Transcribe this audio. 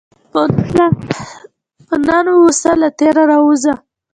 په نن واوسه، له تېر راووځه.